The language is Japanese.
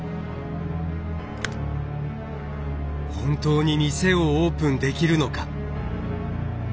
本当に店をオープンできるのか。